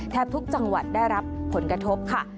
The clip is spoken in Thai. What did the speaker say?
แทบทุกจังหวัดได้รับผลกระทบค่ะ